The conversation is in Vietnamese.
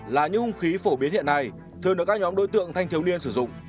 là những hung khí phổ biến hiện nay thường được các nhóm đối tượng thanh thiếu niên sử dụng